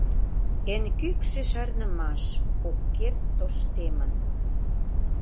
Эн кӱкшӧ шарнымаш Ок керт тоштемын.